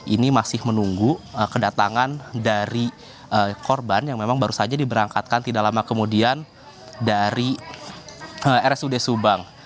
ini masih menunggu kedatangan dari korban yang memang baru saja diberangkatkan tidak lama kemudian dari rsud subang